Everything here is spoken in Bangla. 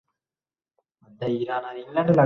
মিস ওয়াল্ডো মধ্যে মধ্যে খবর নেয়।